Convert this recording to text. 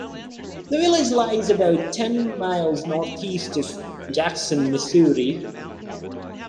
The village lies about ten miles northeast of Jackson, Missouri.